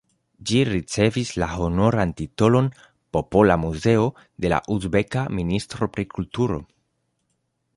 Ĝi ricevis la honoran titolon "popola muzeo" de la uzbeka ministro pri kulturo.